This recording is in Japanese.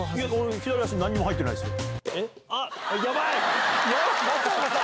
左足、何も入ってないですよ。